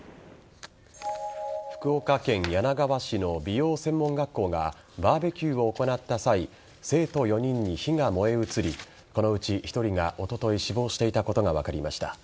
福岡県柳川市の美容専門学校がバーベキュー行った際生徒４人に火が燃え移りこのうち１人がおととい死亡していたことが分かりました。